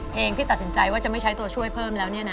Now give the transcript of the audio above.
ที่ตัดสินใจว่าจะไม่ใช้ตัวช่วยเพิ่มแล้วเนี่ยนะ